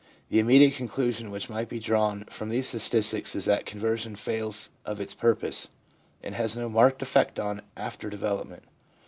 The immediate conclusion which might be drawn from these statistics is that conversion fails of its purpose, and has no marked effect on after development.